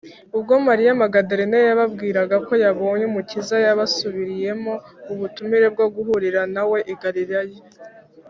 ubwo mariya magadalena yababwiraga ko yabonye umukiza, yabasubiriyemo ubutumire bwo guhurira na we i galilaya